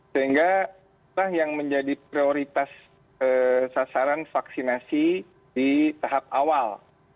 sehinggalah yang menjadi prioritas sasaran vaksinasi di tahap awal